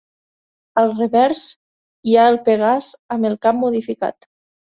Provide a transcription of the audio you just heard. Al revers, hi ha el Pegàs amb el cap modificat.